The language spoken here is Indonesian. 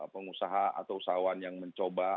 pengusaha atau usahawan yang mencoba